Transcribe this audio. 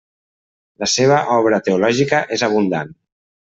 La seva obra teològica és abundant.